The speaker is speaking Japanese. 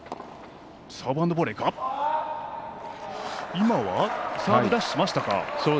今はサーブダッシュしましたか？